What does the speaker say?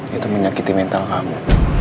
itu menyakiti mental kamu